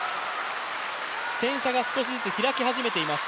点差が少しずつ開き始めています。